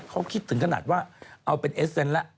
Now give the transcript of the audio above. เขาคิดถึงขนาดว่าเอาเป็นเอสเซนต์แล้ว